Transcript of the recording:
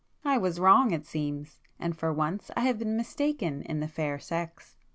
I was wrong, it seems; and for once I have been mistaken in the fair sex!"